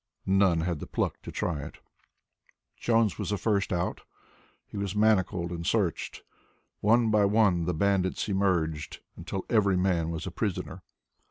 None had the pluck to try it. Jones was the first one out. He was manacled and searched. One by one the bandits emerged until every man was a prisoner.